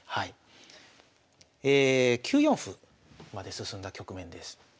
９四歩まで進んだ局面です。